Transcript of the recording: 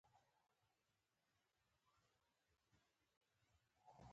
احمد؛ ټول عمر د علي په غاړه کې ور لوېدلی وو.